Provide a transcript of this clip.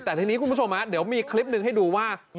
แต่ทีนี้คุณผู้ชมเดี๋ยวมีคลิปหนึ่งให้ดูว่า